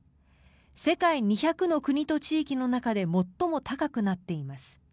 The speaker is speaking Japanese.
世界２００の国と地域の中で最も高くなっています。